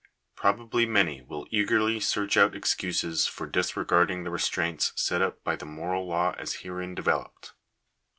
Probably many will eagerly search oat excuses for disregarding the restraints set up by the moral law as herein developed.